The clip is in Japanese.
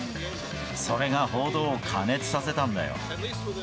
それが報道を過熱させたんだよ。